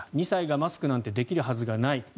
２歳がマスクなんてできるはずがない。